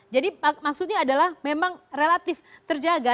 jadi maksudnya adalah memang relatif terjaga